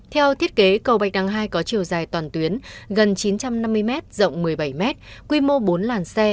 theo thiết kế cầu bạch đăng hai có chiều dài toàn tuyến gần chín trăm năm mươi m rộng một mươi bảy m quy mô bốn làn xe